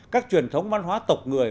các truyền thống văn hóa tộc người